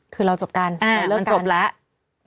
คือเราจบกันเราเลิกกัน